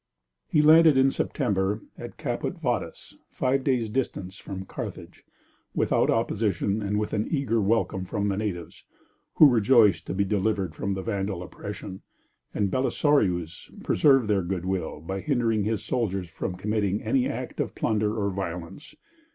He landed in September at Caput Vadas, five days' distance from Carthage, without opposition and with an eager welcome from the natives, who rejoiced to be delivered from the Vandal oppression, and Belisarius preserved their goodwill by hindering his soldiers from committing any act of plunder or violence.